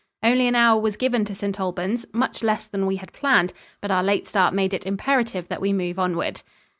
Only an hour was given to St. Albans, much less than we had planned, but our late start made it imperative that we move onward.